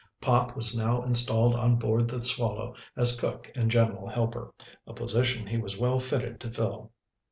Pop was now installed on board the Swallow as cook and general helper, a position he was well fitted to fill.